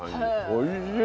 おいしい。